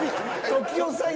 時生さん